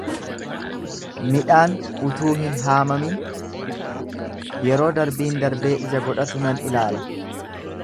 Midhaan utuu hin haamamin, yeroo darbiin darbee ija godhatu nan ilaala.